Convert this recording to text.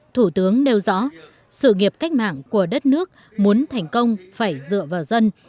thủ tướng nêu rõ sự nghiệp cách mạng của đất nước muốn thành công phải dựa vào dân